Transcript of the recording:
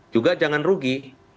juga jangan rugi